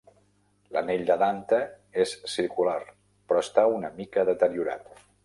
L'anell de Dante és circular, però està una mica deteriorat.